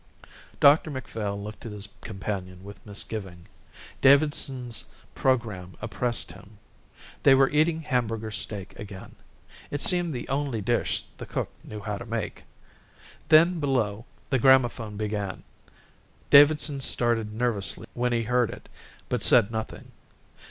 Dr Macphail looked at his companion with misgiving. Davidson's programme oppressed him. They were eating Hamburger steak again. It seemed the only dish the cook knew how to make. Then below the gramophone began. Davidson started nervously when he heard it, but said nothing.